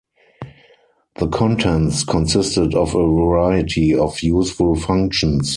The contents consisted of a variety of useful functions.